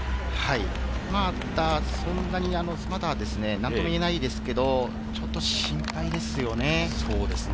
まだそんなに何とも言えないですけれども、ちょっと心配ですよね。